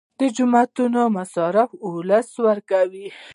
د جوماتونو مصارف ولس ورکوي